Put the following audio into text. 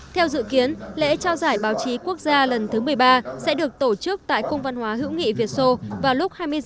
theo dự kiến lễ trao giải báo chí quốc gia lần thứ một mươi ba sẽ được tổ chức tại công văn hóa hữu nghị việt sô vào lúc hai mươi h ngày hai mươi một tháng sáu